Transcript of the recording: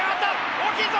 大きいぞ！